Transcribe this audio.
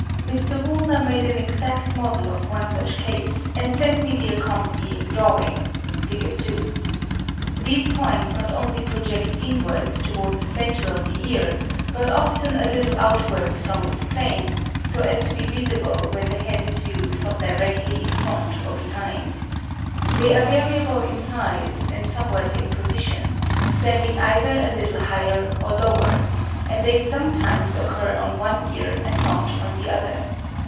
Mr. Woolner made an exact model of one such case, and sent me the accompanying drawing. (Fig. 2). These points not only project inwards towards the centre of the ear, but often a little outwards from its plane, so as to be visible when the head is viewed from directly in front or behind. They are variable in size, and somewhat in position, standing either a little higher or lower; and they sometimes occur on one ear and not on the other.